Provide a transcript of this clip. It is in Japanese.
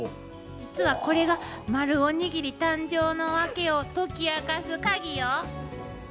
実はこれが丸おにぎり誕生のワケを解き明かす鍵よ。